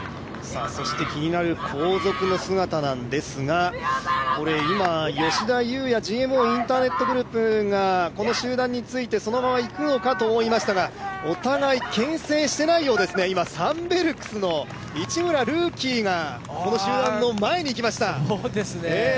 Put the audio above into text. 気になる後続の姿ですが、今、吉田祐也、ＧＭＯインターネットグループがこの集団について、そのままいくのかと思いましたが、お互いけん制してないようですね、サンベルクスの市村竜樹がこの集団の前に来ました。